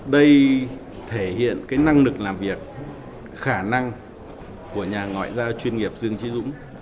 đây thể hiện năng lực làm việc khả năng của nhà ngoại giao chuyên nghiệp dương chí dũng